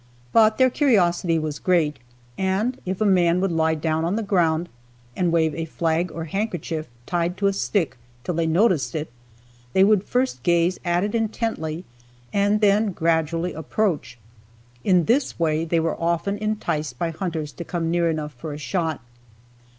But their curiosity was great, and if a man would lie down on the ground and wave a flag or handkerchief tied to a stick till they noticed it, they would first gaze at it intently and then gradually approach. In this way they were often enticed by hunters to come near enough for a shot.